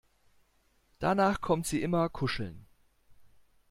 Danach kommt sie immer kuscheln.